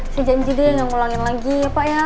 si janji dia gak ngulangin lagi ya pak ya